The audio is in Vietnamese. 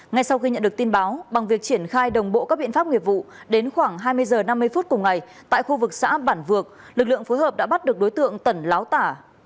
ngay sau khi nhận được tin báo bằng việc triển khai đồng bộ các biện pháp nghiệp vụ đến khoảng hai mươi h năm mươi phút cùng ngày tại khu vực xã bản vược lực lượng phối hợp đã bắt được đối tượng tẩn láo tả